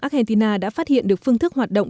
argentina đã phát hiện được phương thức hoạt động